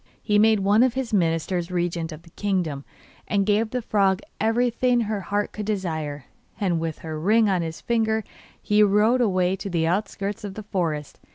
He made one of his ministers regent of the kingdom, and gave the frog everything her heart could desire; and with her ring on his finger he rode away to the outskirts of the forest.